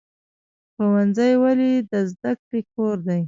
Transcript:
ښوونځی ولې د زده کړې کور دی؟